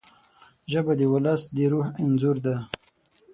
ژبه د ولس د روح انځور ده